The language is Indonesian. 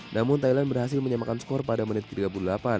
namun thailand berhasil menyamakan skor pada menit ke tiga puluh delapan